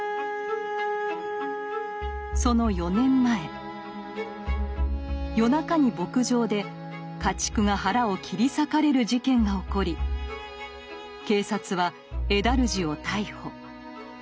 その４年前夜中に牧場で家畜が腹を切り裂かれる事件が起こり警察はエダルジを逮捕。